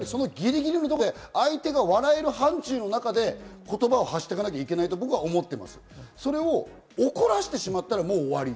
コメディアンはそのぎりぎりのところで相手が笑える範疇の中で言葉を発していかなきゃいけないと僕は思っています。